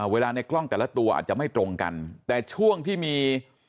ในกล้องแต่ละตัวอาจจะไม่ตรงกันแต่ช่วงที่มี